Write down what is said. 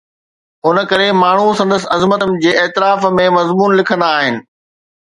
ان ڪري ماڻهو سندس عظمت جي اعتراف ۾ مضمون لکندا آهن.